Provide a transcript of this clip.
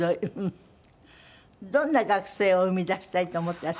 どんな学生を生み出したいと思ってらっしゃいますか？